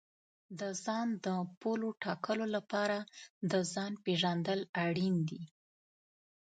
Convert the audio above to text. د ځان د پولو ټاکلو لپاره د ځان پېژندل اړین دي.